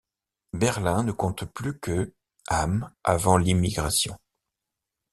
Berlin ne compte plus que âmes avant l’immigration.